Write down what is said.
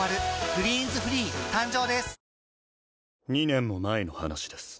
２年も前の話です